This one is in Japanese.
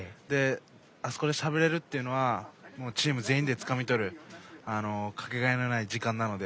あそこでしゃべれるっていうのはチーム全員でつかみとるかけがえのない時間なので。